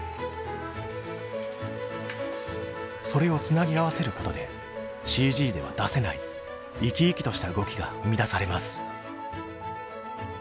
それをつなぎ合わせることでＣＧでは出せない生き生きとした動きが生み出されます。